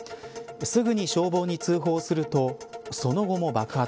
すぐに消防に通報するとその後も爆発。